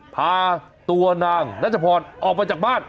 พาตัวนางนัชพรออกมาจากบ้าน